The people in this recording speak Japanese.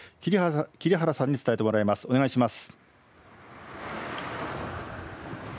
桐原さんに伝えてもらいます、お願いします。